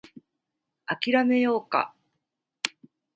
諦めようか